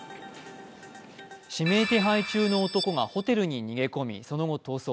指名手配中の男がホテルに逃げ込み、その後、逃走。